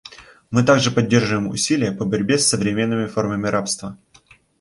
Мы также поддерживаем усилия по борьбе с современными формами рабства.